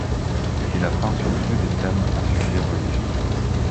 Il a peint surtout des thèmes à sujet religieux.